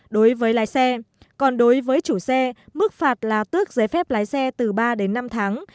đối với lái xe còn đối với chủ xe mức phạt là tước giấy phép lái xe từ ba đến năm tháng